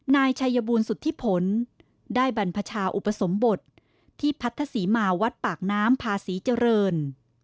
นายชัยบูรณสุธิผลได้บรรพชาอุปสมบทที่พัทธศรีมาวัดปากน้ำพาศรีเจริญ